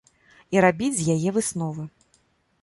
І рабіць з яе высновы.